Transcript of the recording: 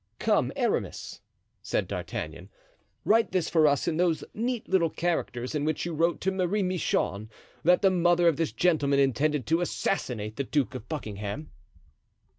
"Come, Aramis," said D'Artagnan, "write this for us in those neat little characters in which you wrote to Marie Michon that the mother of this gentleman intended to assassinate the Duke of Buckingham."